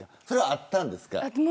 それはあったんですか。